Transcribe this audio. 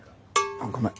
あっごめん。